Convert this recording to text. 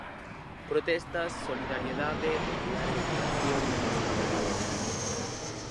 Protestas, solidariedade popular e declaración do Estado galego.